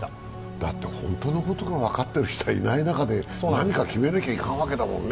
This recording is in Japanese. だって本当のことが分かっている人がいない中で何か決めなきゃいかんわけだもんね。